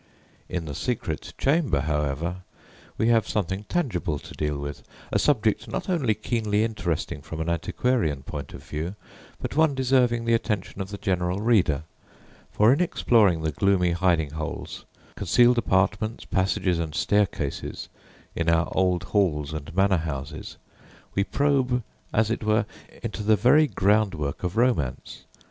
In the secret chamber, however, we have something tangible to deal with a subject not only keenly interesting from an antiquarian point of view, but one deserving the attention of the general reader; for in exploring the gloomy hiding holes, concealed apartments, passages, and staircases in our old halls and manor houses we probe, as it were, into the very groundwork of romance.